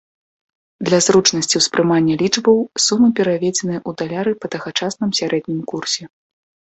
Для зручнасці ўспрымання лічбаў сумы пераведзеныя ў даляры па тагачасным сярэднім курсе.